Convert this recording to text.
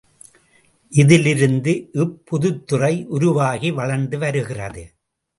இதிலிருந்து இப்புதுத்துறை உருவாகி வளர்ந்து வருகிறது.